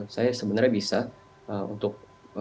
saya sebenarnya bisa untuk